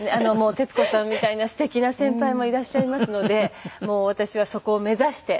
徹子さんみたいな素敵な先輩もいらっしゃいますのでもう私はそこを目指してはい。